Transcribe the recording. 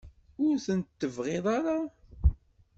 Ur tent-tebɣiḍ ara?